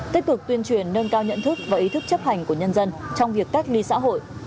tích cực tuyên truyền nâng cao nhận thức và ý thức chấp hành của nhân dân trong việc cách ly xã hội